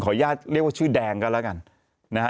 อนุญาตเรียกว่าชื่อแดงก็แล้วกันนะฮะ